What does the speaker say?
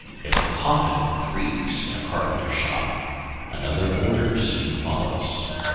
If a coffin creaks in a carpenter's shop, another order soon follows.